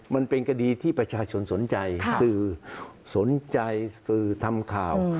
มันเป็นคดีที่ประชาชนสนใจสื่อสนใจสื่อทำข่าว